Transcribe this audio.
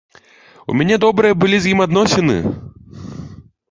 У мяне добрыя былі з ім адносіны.